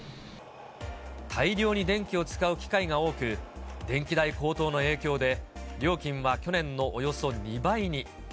大量に電気を使う機械が多く、電気代高騰の影響で、料金は去年のおよそ２倍に。